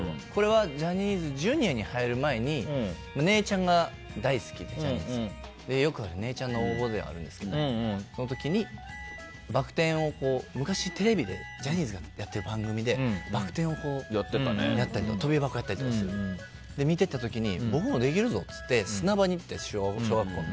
ジャニーズＪｒ．に入る前に姉ちゃんがジャニーズ大好きでよくある姉ちゃんの応募ではあるんですけどその時に、バック転を昔、テレビでジャニーズがやってる番組でバック転をやったりとか跳び箱やったりするのを見てた時に、僕もできるぞって砂場に行って、小学校の。